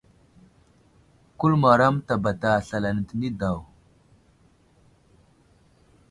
Kuləmaro a mətabata slal ane tə nay daw.